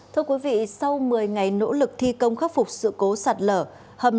thưa quý vị sau một mươi ngày nỗ lực thi công khắc phục sự cố sạt lở